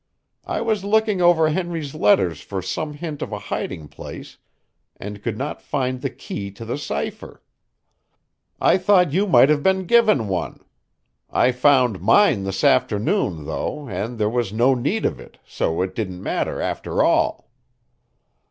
I was looking over Henry's letters for some hint of a hiding place and could not find the key to the cipher. I thought you might have been given one. I found mine this afternoon, though, and there was no need of it, so it didn't matter after all."